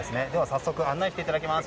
早速、案内していただきます。